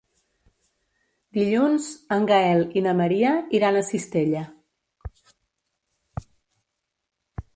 Dilluns en Gaël i na Maria iran a Cistella.